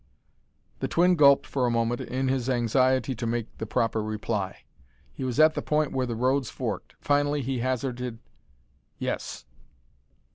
The twin gulped for a moment in his anxiety to make the proper reply. He was at the point where the roads forked. Finally he hazarded, "Yes."